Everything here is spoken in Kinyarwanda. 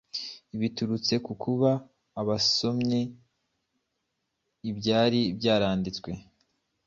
biturutse ku kuba barasomye ibyari byanditswe